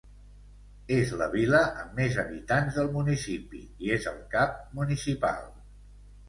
És la vila amb més habitants del municipi i és el cap municipal.